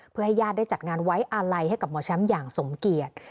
เพื่อให้ญาติได้จัดงานไว้อาลัยให้กับหมอแชมป์อย่างสมเกียจ